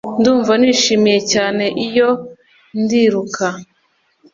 Ndumva nishimye cyane iyo ndiruka